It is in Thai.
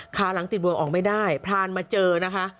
ขาหลังติดบวกออกไม่ได้พรานมาเจอนะคะ